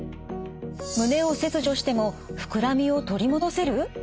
胸を切除しても膨らみを取り戻せる？